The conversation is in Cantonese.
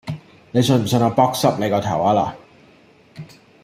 你信唔信我扑濕你個頭呀嗱